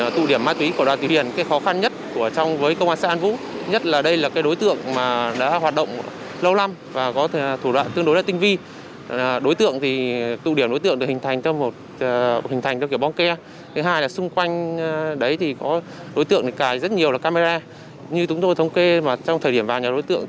trong đó đối tượng cài rất nhiều camera như chúng tôi thống kê trong thời điểm vào nhà đối tượng